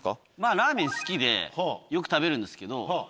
ラーメン好きでよく食べるんですけど。